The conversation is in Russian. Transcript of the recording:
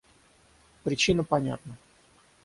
Причина понятна.